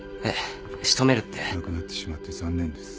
亡くなってしまって残念です。